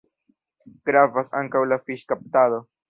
Gravas ankaŭ la fiŝkaptado.